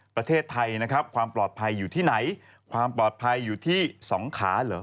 ประเทศไทยนะครับความปลอดภัยอยู่ที่ไหนความปลอดภัยอยู่ที่สองขาเหรอ